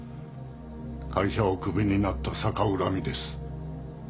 会社をクビになった逆恨みです。